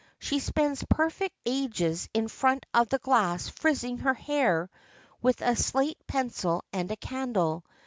She spends perfect ages in front of the glass frizzing her hair with a slate pencil and a candle.